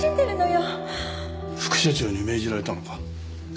副社長に命じられたのか？